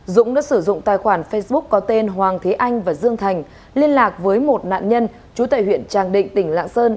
dũng đã sử dụng tài khoản facebook có tên hoàng thế anh và dương thành liên lạc với một nạn nhân trú tại huyện tràng định tỉnh lạng sơn